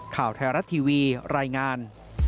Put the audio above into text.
ข่าวไทยรัฐทีวีรายงาน